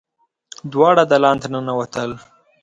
دواړه دالان ته ننوتل.